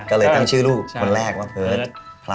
ก็เลยตั้งชื่อลูกคนแรกว่าเพิร์ต